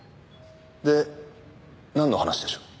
でなんの話でしょう？